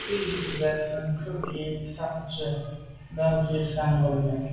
Bí jú’ jú zə̄ mvə̌ cúp gí mbə́ fǎ cwɛ̀d mbásì fàá’ ngômnâ’.